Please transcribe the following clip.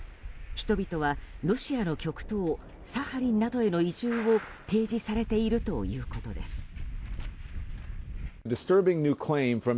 人々はロシアの極東サハリンなどへの移住を提示されているということです。